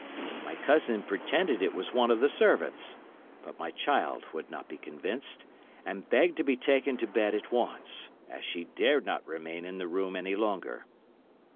My cousin pretended it was one of the servants, but my child would not be convinced, and begged to be taken to bed at once, as she dared not remain in the room any longer.